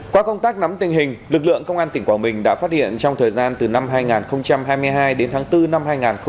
qua công tác nắm tình hình lực lượng công an tỉnh quảng bình đã phát hiện trong thời gian từ năm hai nghìn hai mươi hai đến tháng bốn năm hai nghìn hai mươi ba